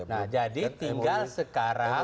nah jadi tinggal sekarang